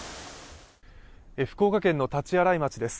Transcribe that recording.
福岡県の大刀洗町です。